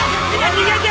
逃げて！